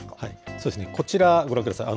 そうですね、こちら、ご覧ください。